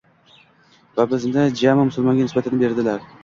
va “biz”ni jami musulmonga nisbat berdilar.